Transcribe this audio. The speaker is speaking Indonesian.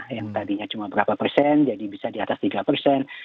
yang tadinya cuma berapa persen jadi bisa di atas tiga persen